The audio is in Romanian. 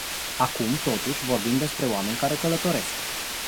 Acum, totuși, vorbim despre oameni care călătoresc.